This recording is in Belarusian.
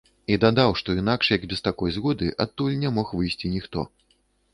І дадаў, што інакш як без такой згоды адтуль не мог выйсці ніхто.